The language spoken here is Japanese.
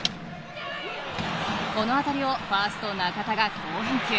この当たりをファースト・中田が好返球。